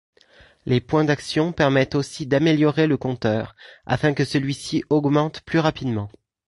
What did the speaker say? Les points d'action permettent aussi d'améliorer le compteur, afin que celui-ci augmente plus rapidement.